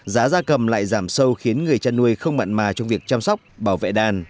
giá da cầm lại giảm sâu khiến người chăn nuôi không mặn mà trong việc chăm sóc bảo vệ đàn